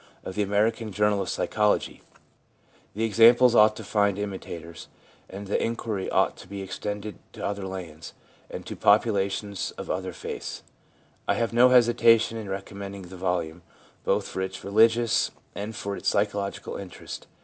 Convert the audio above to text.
of the American Journal of Psychology, The examples ought to find imitators, and the inquiry ought to be extended to other lands, and to populations of other faiths. I have no hesitation in recommending the volume, both for its religious and for its psychological interest.